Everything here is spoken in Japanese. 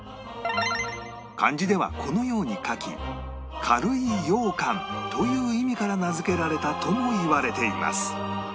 漢字ではこのように書き軽い羊羹という意味から名付けられたともいわれています